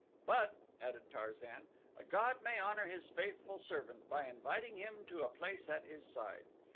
"But," added Tarzan, "a god may honor his faithful servant by inviting him to a place at his side.